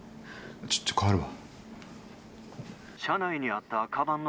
ちょっと代わるわ。